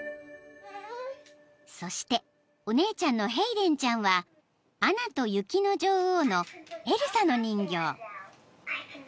［そしてお姉ちゃんのヘイデンちゃんは『アナと雪の女王』のエルサの人形］